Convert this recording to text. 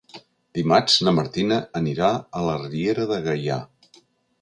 Dimarts na Martina anirà a la Riera de Gaià.